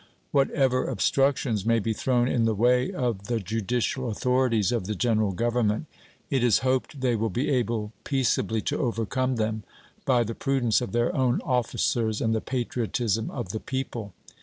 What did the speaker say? What ever obstructions may be thrown in the way of the judicial authorities of the General Government, it is hoped they will be able peaceably to overcome them by the prudence of their own officers and the patriotism of the people.